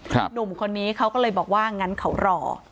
หนุ่มคนนี้เขาก็เลยบอกว่างั้นเขารอ